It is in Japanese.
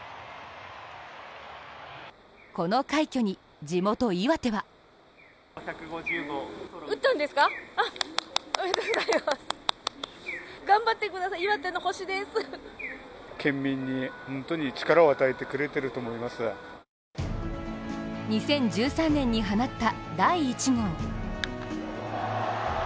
この快挙に、地元・岩手は２０１３年に放った第１号。